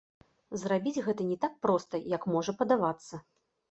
Зрабіць гэта не так проста, як можа падавацца.